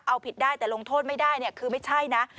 เอาผิดได้แต่ลงโทษไม่ได้คือไม่ใช่นะ